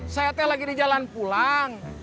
saya teh lagi di jalan pulang